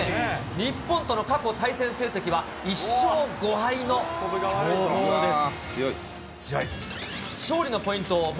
日本との過去対戦成績は１勝５敗の強豪です。